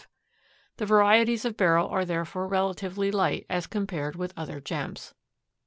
The varieties of Beryl are therefore relatively light as compared with other gems.